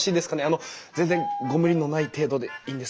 あの全然ご無理のない程度でいいんですけれども。